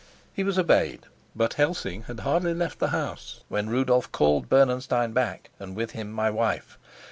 He was obeyed; but Helsing had hardly left the house when Rudolf called Bernenstein back, and with him my wife.